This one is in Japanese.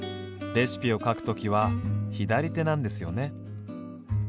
レシピを書くときは左手なんですよね。